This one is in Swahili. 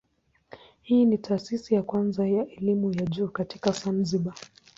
Hii ni taasisi ya kwanza ya elimu ya juu katika Zanzibar.